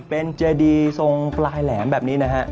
เป็นเจดีทรงปลายแหลมแบบนี้นะฮะ